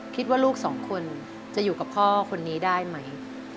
ลูกสองคนจะอยู่กับพ่อคนนี้ได้ไหม